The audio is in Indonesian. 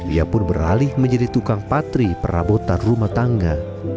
ia pun beralih menjadi tukang patri perabotan rumah tangga